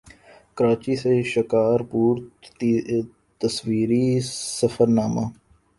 کراچی سے شکارپور تصویری سفرنامہ